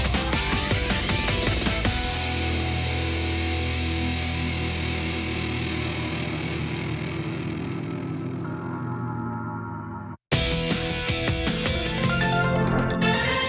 สวัสดีครับ